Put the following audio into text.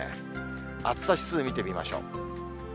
暑さ指数見てみましょう。